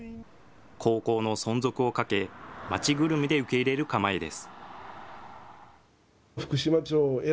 高校の存続をかけ、町ぐるみで受け入れる構えです。